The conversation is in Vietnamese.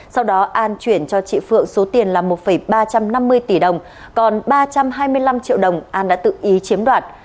sau đó an chuyển cho chị phượng số tiền là một ba trăm năm mươi tỷ đồng còn ba trăm hai mươi năm triệu đồng an đã tự ý chiếm đoạt